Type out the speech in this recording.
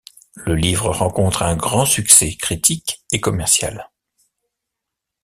Le livre rencontre un grand succès critique et commercial.